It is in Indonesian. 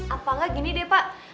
apalagi gini deh pak